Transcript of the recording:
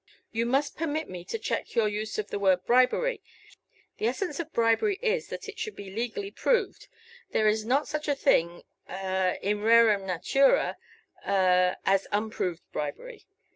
You must permit me to check your use of the word 'bribery.' The essence of bribery is, that it should be legally proved; there is not such a thing a in rerum natura a as unproved bribery.